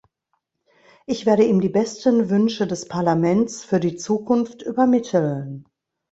Ich werde ihm die besten Wünsche des Parlaments für die Zukunft übermitteln.